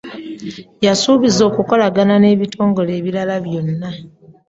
Yasuubizza okukolagana n'ebitongole ebirala byonna.